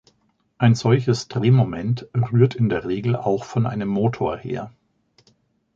Ein solches Drehmoment rührt in der Regel auch von einem Motor her.